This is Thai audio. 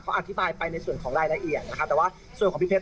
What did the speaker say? เขาอธิบายไปในส่วนของรายละเอียดนะครับแต่ว่าส่วนของพี่เพชร